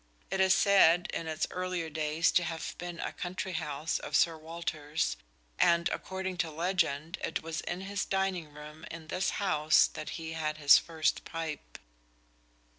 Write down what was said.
It is said in its earlier days to have been a country house of Sir Walter's, and according to legend it was in his dining room in this house that he had his first pipe.